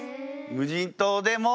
無人島でも？